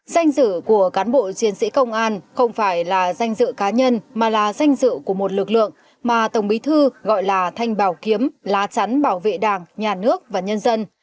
danh dự của cán bộ chiến sĩ công an không phải là danh dự cá nhân mà là danh dự của một lực lượng mà tổng bí thư gọi là thanh bảo kiếm lá chắn bảo vệ đảng nhà nước và nhân dân